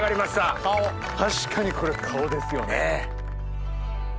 確かにこれ顔ですよね。